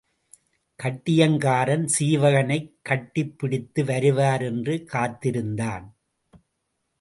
கட்டியங்காரன் சீவகனைக் கட்டிப் பிடித்து வருவர் என்று காத்திருந்தான்.